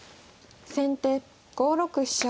先手５六飛車。